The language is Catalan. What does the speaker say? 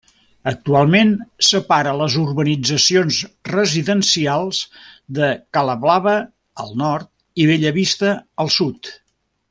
Actualment separa les urbanitzacions residencials de Cala Blava al nord i Bellavista al sud.